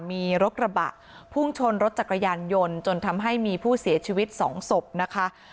มีรถกระบะพุ่งชนรถจักรยานยนต์จนทำให้มีผู้เสียชีวิต๒ศพนะคะ